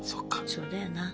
そうだよな。